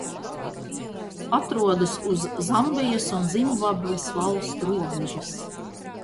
Atrodas uz Zambijas un Zimbabves valstu robežas.